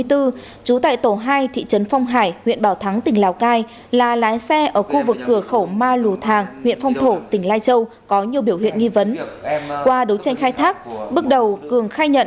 trú tại tổng hai thị trấn phong hải huyện bảo thắng tỉnh lào cai là lái xe ở khu vực cửa khẩu ma lù thàng huyện phong thổ tỉnh lai châu có nhiều biểu hiện nghi vấn